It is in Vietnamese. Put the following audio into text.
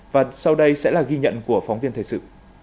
và sau đây sẽ là ghi nhận của phóng viên thời sự